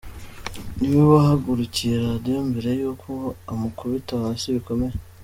Ni we wahagurukije Radio mbere y’uko amukubita hasi bikomeye.